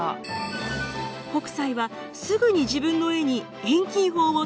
北斎はすぐに自分の絵に遠近法を取り入れます。